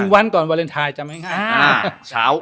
๑วันก่อนวาเลนไทยจำไหมครับ